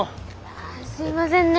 あすいませんね。